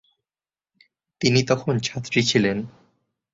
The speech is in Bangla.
তিনি তখন ছাত্রী ছিলেন।